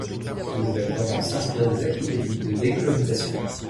De nouvelles tendances s'inspirent des acquis des luttes de décolonisation.